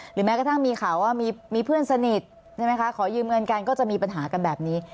แม้กระทั่งมีข่าวว่ามีเพื่อนสนิทใช่ไหมคะขอยืมเงินกันก็จะมีปัญหากันแบบนี้